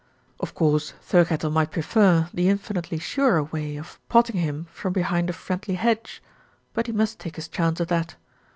Of course Thirkettle might prefer a the infinitely surer way of potting him from behind a friendly hedge; but he must take his chance of that.